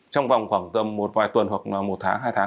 trong vòng khoảng gần một vài tuần hoặc một tháng hai tháng